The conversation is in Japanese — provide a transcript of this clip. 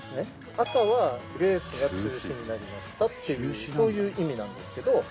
赤はレースが中止になりましたっていうそういう意味なんですけど。